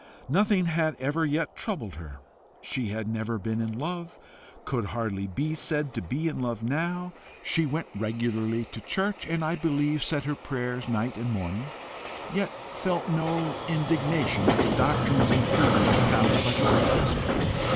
Nothing had ever yet troubled her. She had never been in love, could hardly be said to be in love now. She went regularly to church, and I believe said her prayers night and morning yet felt no indignation at the doctrines and theories propounded by George Bascombe.